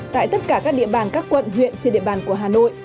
tại tất cả các địa bàn các quận huyện trên địa bàn của hà nội